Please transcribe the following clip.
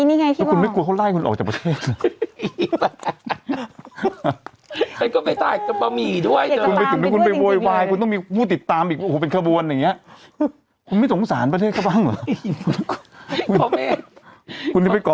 นี่ไงไอ้แมพกี้นี้นี่แหละเฮ้ยอ๋อมันเนี้ยหรอ